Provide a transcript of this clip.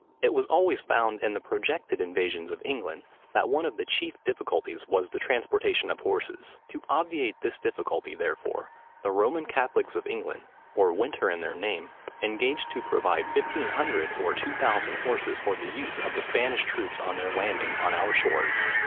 It was always found in the projected invasions of England, that one of the chief difficulties was the transportation of horses. To obviate this difficulty, therefore, the Roman Catholics of England, or Winter in their name, engaged to provide 1500 or 2000 horses for the use of the Spanish troops on their landing on our shores.